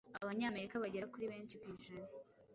Abanyamerika bagera kuri benshi ku ijana